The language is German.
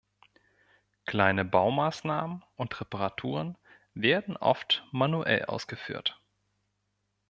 Kleine Baumaßnahmen und Reparaturen werden oft manuell ausgeführt.